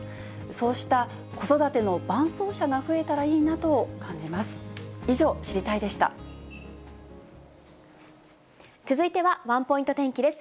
そうした子育ての伴走者が増えたらいいなと感じます。